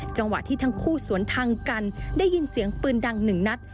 จังหวะที่ทั้งคู่สวนทางกันได้ยินเสียงปืนดังหนึ่งนัด